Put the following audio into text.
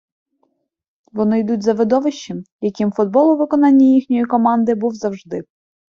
Вони йдуть за видовищем, яким футбол у виконанні їхньої команди був завжди.